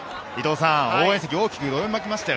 応援席、大きくどよめきました。